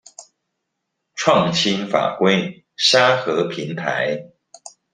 創新法規沙盒平台